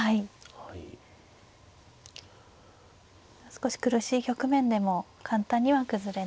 少し苦しい局面でも簡単には崩れない。